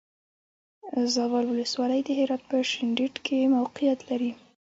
زاول ولسوالی د هرات په شینډنډ کې موقعیت لري.